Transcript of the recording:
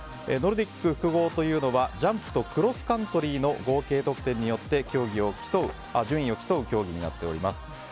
ノルディック複合というのはジャンプとクロスカントリーの合計得点によって順位を競う競技になっております。